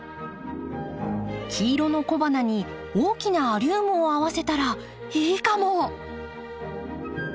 黄色の小花に大きなアリウムを合わせたらいいかも！